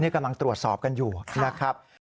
กำลังตรวจสอบกันอยู่นะครับ